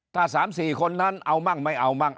ถ้า๓๔คนนั้นเอามั่งไม่เอามั่ง